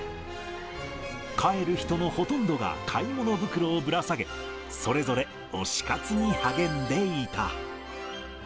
帰る人のほとんどが買い物袋をぶら下げ、それぞれ推し活に励んでいた。